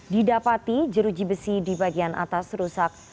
didapati jeruji besi di bagian atas rusak